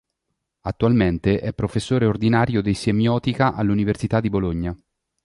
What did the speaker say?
Attualmente è professore ordinario di Semiotica all'Università di Bologna.